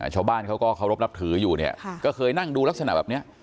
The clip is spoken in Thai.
ชาวบ้านเขาก็เคารพนับถืออยู่เนี่ยก็เคยนั่งดูลักษณะแบบนี้